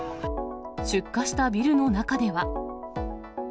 出火したビルの中では。